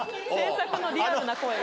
制作のリアルな声が。